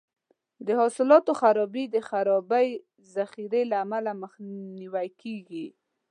د حاصلاتو خرابي د خرابې ذخیرې له امله مخنیوی کیږي.